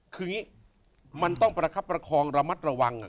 คืออย่างนี้มันต้องประคับประคองระมัดระวัง